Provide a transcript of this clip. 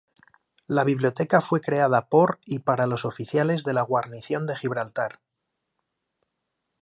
La Biblioteca fue creada por y para los oficiales de la guarnición de Gibraltar.